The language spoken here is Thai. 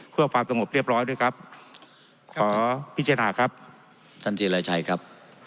เพื่อความสงบเรียบร้อยด้วยครับขอพิจารณาครับท่านเจราชัยครับ